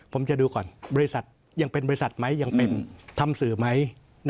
ผมจะดูก่อนบริษัทยังเป็นบริษัทไหมยังเป็นทำสื่อไหม